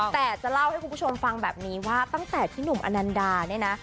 แต่จะเล่าให้คุณผู้ชมฟังแบบนี้ว่าตั้งแต่พี่หนุ่มอนันดาเนี่ยนะ